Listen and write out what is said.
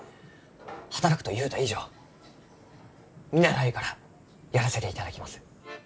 「働く」と言うた以上見習いからやらせていただきます。